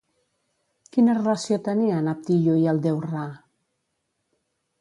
Quina relació tenien Abdyu i el Déu Ra?